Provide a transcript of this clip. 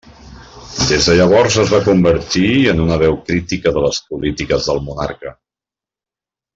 Des de llavors es va convertir en una veu crítica de les polítiques del monarca.